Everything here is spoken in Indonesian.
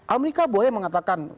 amerika boleh mengatakan